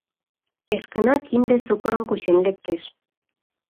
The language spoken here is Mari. Эшкына кинде сукырым кучен лектеш.